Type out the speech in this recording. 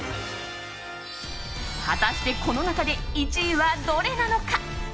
果たして、この中で１位はどれなのか？